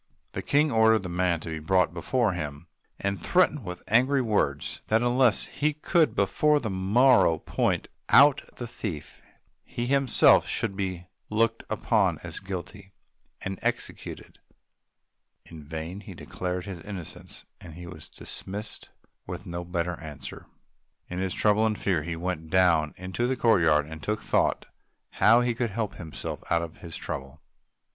The King ordered the man to be brought before him, and threatened with angry words that unless he could before the morrow point out the thief, he himself should be looked upon as guilty and executed. In vain he declared his innocence; he was dismissed with no better answer. In his trouble and fear he went down into the courtyard and took thought how to help himself out of his trouble.